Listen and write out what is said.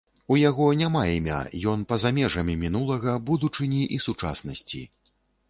У яго няма імя, ён па-за межамі мінулага, будучыні і сучаснасці.